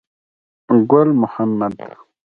ګل محمد.